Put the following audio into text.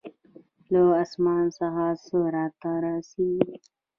له آسمان څخه څه راته رسېږي.